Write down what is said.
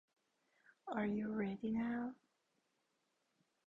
Are you ready now?